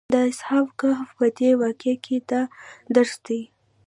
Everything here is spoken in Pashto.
د اصحاب کهف په دې واقعه کې دا درس دی.